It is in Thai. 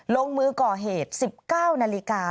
ลงมือก่อเหตุ๑๙นาฬิกา